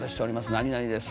何何です。